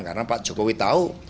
karena pak jokowi tahu